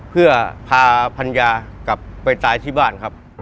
เพื่อพาภรรยากลับไปตายที่บ้านครับ